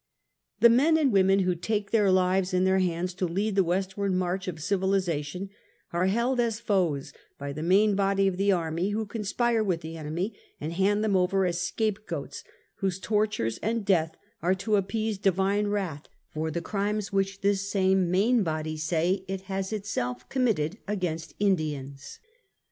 The men and women who take their lives in their hands to lead the westward march of civilization, are held as foes by the main body of the army, who con spire with the enemy, and hand them over as scape goats whose tortures and death are to appease divine wrath for the crimes whicli this same main body say it has itself committed against Indians.